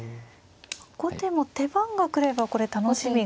後手も手番が来ればこれ楽しみが。